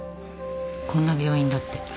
こんな病院だって。